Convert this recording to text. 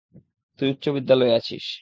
তুই উচ্চ বিদ্যালয়ে আছিস।